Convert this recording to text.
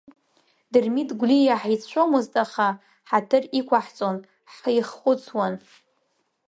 Дырмит Гәлиа ҳицәшәомызт, аха ҳаҭыр иқәаҳҵон, ҳиххәыцуан.